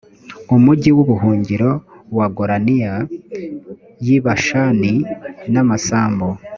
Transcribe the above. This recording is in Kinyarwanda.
umugi w ubuhungiro wa golania y i bashani n amasambu